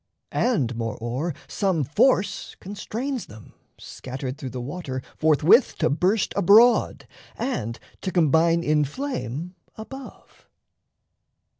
And, moreo'er, Some force constrains them, scattered through the water, Forthwith to burst abroad, and to combine In flame above.